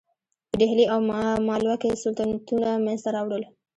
په ډهلي او مالوه کې سلطنتونه منځته راوړل.